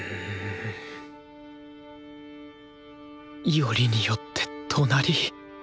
よりによって隣。